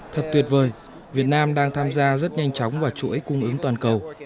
thật tuyệt vời việt nam đang tham gia rất nhanh chóng vào chuỗi cung ứng toàn cầu